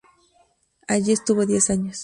Allí estuvo diez años.